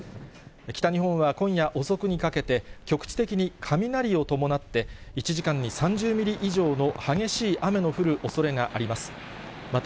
北日本は今夜遅くにかけて、局地的に雷を伴って、１時間に３０ミリ以上の激しい雨の降るおそれがあります。